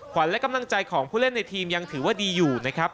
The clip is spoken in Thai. ขวัญและกำลังใจของผู้เล่นในทีมยังถือว่าดีอยู่นะครับ